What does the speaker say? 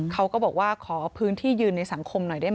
เขาก็บอกว่าขอพื้นที่ยืนในสังคมหน่อยได้ไหม